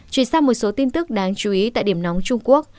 chuyển sang một số tin tức đáng chú ý tại điểm nóng trung quốc